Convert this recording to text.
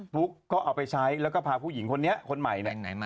ปุ๊กก็เอาไปใช้แล้วก็พาผู้หญิงคนนี้คนใหม่เนี่ย